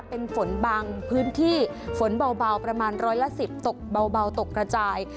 เป็นฝนบางพื้นที่ฝนเบาประมาณร้อยละ๑๐ตกเบาตกกระจาย